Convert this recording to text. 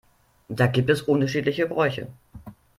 Da gibt es unterschiedliche Bräuche.